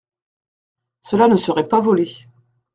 Cela ne serait pas volé.